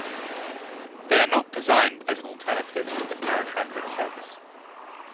They are not designed as an alternative to the paratransit service.